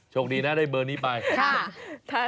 ชกดีนะได้เบอร์นี้ไป